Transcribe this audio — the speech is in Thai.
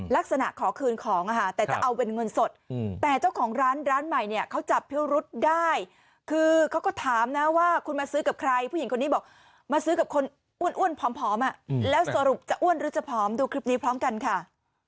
ลักษณะขอคืนของแต่จะเอาเป็นเงินสดแต่เจ้าของร้านร้านใหม่เนี่ยเขาจับพิวรุษได้คือเขาก็ถามนะว่าคุณมาซื้อกับใครผู้หญิงคนนี้บอกมาซื้อกับคนอ้วนผอมแล้วสรุปจะอ้วนหรือจะผอมดูคลิปนี้พร้อมกันค่ะ